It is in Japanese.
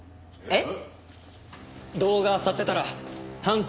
えっ？